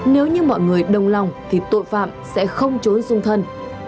nếu như mọi người đồng lòng thì tội phạm sẽ không trốn sung thân